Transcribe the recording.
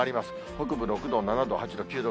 北部６度、７度、８度、９度。